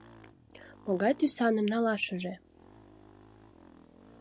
Могай тӱсаным налашыже?